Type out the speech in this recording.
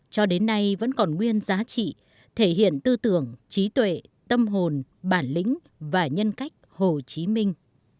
cho đến nay vẫn còn nguyên giá trị thể hiện tư tưởng trí tuệ tâm hồn bản lĩnh và nhân cách hồ chí minh